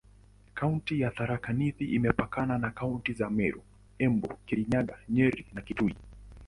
Kaunti ya Tharaka Nithi imepakana na kaunti za Meru, Embu, Kirinyaga, Nyeri na Kitui.